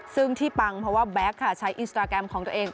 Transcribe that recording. ซึ่งที่ปังเพราะว่าแบ็คค่ะใช้อินสตราแกรมของตัวเอง